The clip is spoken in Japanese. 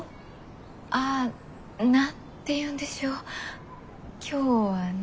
あ何て言うんでしょう今日はね。